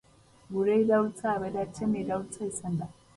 Gure iraultza aberatsen iraultza izan da.